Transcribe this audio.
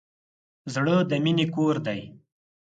زړه د مینې کور دی.